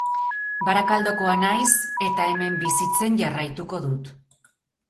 Barakaldokoa naiz, eta hemen bizitzen jarraituko dut.